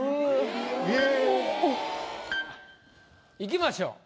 ええ！いきましょう。